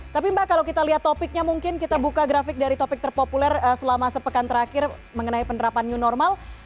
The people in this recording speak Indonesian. tapi mbak kalau kita lihat topiknya mungkin kita buka grafik dari topik terpopuler selama sepekan terakhir mengenai penerapan new normal